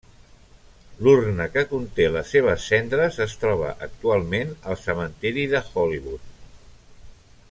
L'urna que conté les seves cendres es troba actualment al cementiri de Hollywood.